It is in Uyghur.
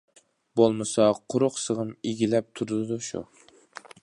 بولمىسا قۇرۇق سىغىم ئىگىلەپ تۇرىدۇ شۇ.